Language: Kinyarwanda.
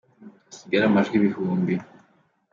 hasigare amajwi ibihumbi